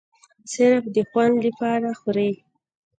صرف د خوند د پاره خوري